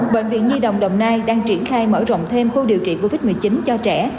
bệnh viện nhi đồng đồng nai đang triển khai mở rộng thêm khu điều trị covid một mươi chín cho trẻ